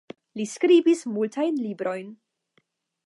Li skribis multajn librojn.